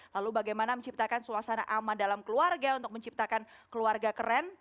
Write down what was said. lalu bagaimana menciptakan suasana aman dalam keluarga untuk menciptakan keluarga keren